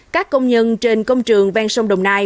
các công nhân trên công trường ven sông đồng nai